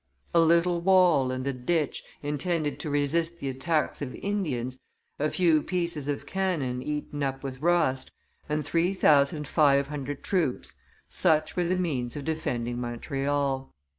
A little wall and a ditch, intended to resist the attacks of Indians, a few pieces of cannon eaten up with rust, and three thousand five hundred troops such were the means of defending Montreal.